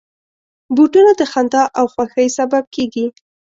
بوټونه د خندا او خوښۍ سبب کېږي.